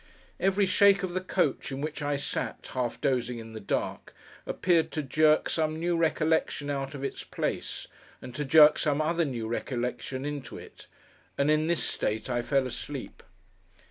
Every shake of the coach in which I sat, half dozing in the dark, appeared to jerk some new recollection out of its place, and to jerk some other new recollection into it; and in this state I fell asleep.